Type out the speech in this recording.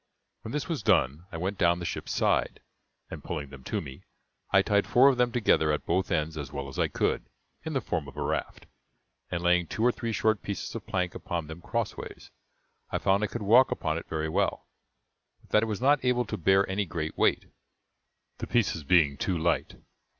When this was done I went down the ship's side, and pulling them to me, I tied four of them together at both ends as well as I could, in the form of a raft, and laying two or three short pieces of plank upon them crossways, I found I could walk upon it very well, but that it was not able to bear any great weight, the pieces being too light.